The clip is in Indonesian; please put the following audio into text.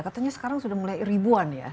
katanya sekarang sudah mulai ribuan ya